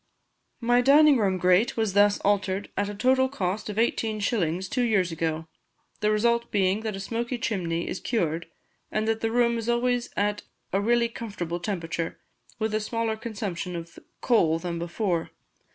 My dining room grate was thus altered at a total cost of eighteen shillings two years ago, the result being that a smoky chimney is cured, and that the room is always at a really comfortable temperature, with a smaller consumption of coal than before.